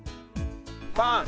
パン！